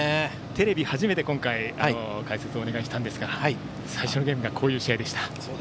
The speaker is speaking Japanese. テレビで初めて今回解説をお願いしたんですが最初のゲームがこういう試合でした。